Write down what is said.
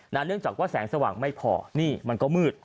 เนื่องจากว่าแสงสว่างไม่พอนี่มันก็มืด